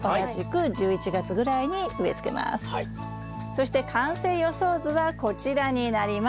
そして完成予想図はこちらになります。